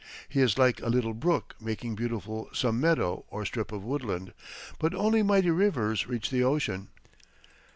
He is like a little brook making beautiful some meadow or strip of woodland; but only mighty rivers reach the ocean.